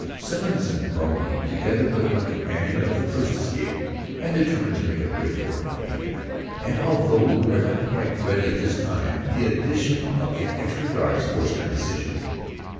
Simmons and Brumley, together with my companion of the first escape, had determined to make a break for it with me. And although we were not quite ready at this time the addition to the guards forced our decision.